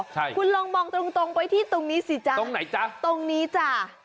ใช่คุณลองมองตรงไปที่ตรงนี้สิจ๊ะตรงไหนจ๊ะตรงนี้จ้ะ